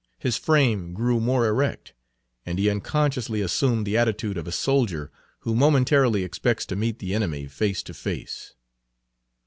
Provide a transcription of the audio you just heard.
His frame grew more erect, and he unconsciously assumed the attitude of a soldier who momentarily expects to meet the enemy face to face.